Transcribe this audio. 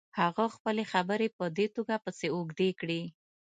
هغه خپلې خبرې په دې توګه پسې اوږدې کړې.